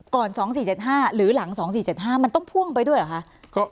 ๒๔๗๕หรือหลัง๒๔๗๕มันต้องพ่วงไปด้วยเหรอคะ